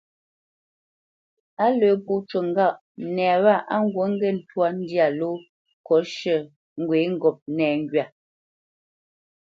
A lə́ pó cû ŋgâʼ nɛ wâ á ŋgǔt ŋgê ntwá ndyâ ló kot shʉ̂ ŋgwě ŋgop nɛŋgywa,